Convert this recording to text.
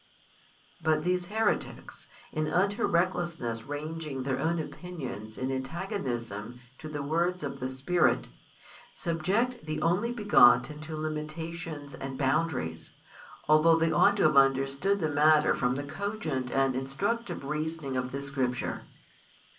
But these heretics, in utter recklessness ranging their own opinions in antagonism to the words of the Spirit, subject the Only begotten to limitations and boundaries, although they ought to have understood the matter from the cogent and instructive reasoning of this Scripture.